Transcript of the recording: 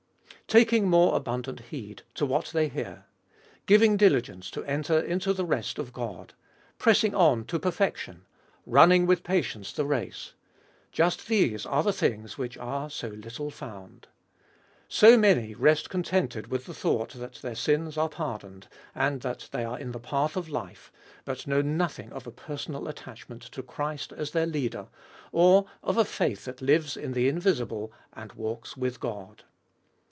" Taking more abundant heed to what they hear"; "giving diligence to enter into the rest of God ";" pressing on to perfection ";" running with patience the race "— just these are the things which are so little found. So many rest contented with the thought that their sins are par doned, and that they are in the path of life, but know nothing of a personal attachment to Christ as their Leader, or of a faith that lives in the invisible and walks with God.